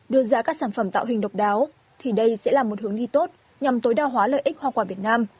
đưa ra các sản phẩm tạo hình độc đáo thì đây sẽ là một hướng đi tốt nhằm tối đa hóa lợi ích hoa quả việt nam